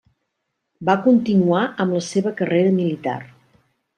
Va continuar amb la seva carrera militar.